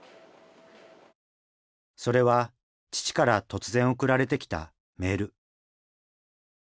それは父から突然送られてきたメール。